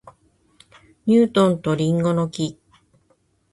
ニュートンと林檎の木